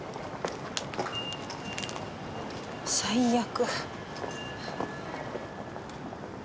最悪。